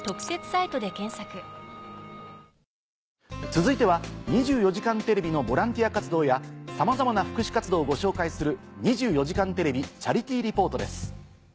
続いては『２４時間テレビ』のボランティア活動やさまざまな福祉活動をご紹介する。